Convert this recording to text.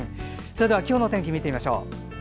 それでは今日の天気を見てみましょう。